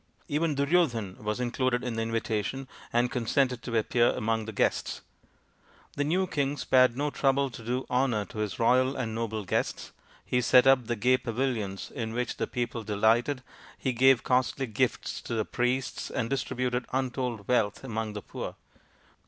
Even Duryodhan was included in the invitation, and consented to appear among the guests. The new king spared no trouble to do honour to his royal and noble guests. He set up the gay pavilions in which the people delighted, he gave costly gifts to the priests, and distributed untold wealth among the poor.